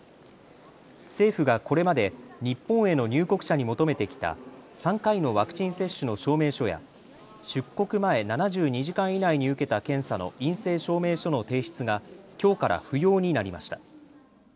政府がこれまで日本への入国者に求めてきた３回のワクチン接種の証明書や出国前７２時間以内に受けた検査の陰性証明書の提出がきょうから不要になりました。